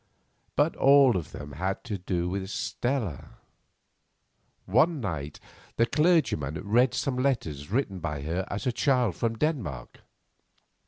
But all of them had to do with Stella. One night the clergyman read some letters written by her as a child from Denmark.